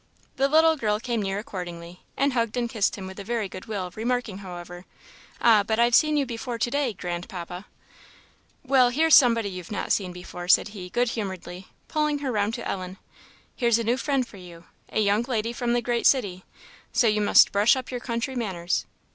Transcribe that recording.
The little girl came near accordingly, and hugged and kissed him with a very good will, remarking, however, "Ah, but I've seen you before to day, Grandpapa!" "Well, here's somebody you've not seen before," said he, good humouredly, pulling her round to Ellen, "here's a new friend for you a young lady from the great city, so you must brush up your country manners.